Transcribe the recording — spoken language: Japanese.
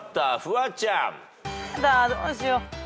やだどうしよう。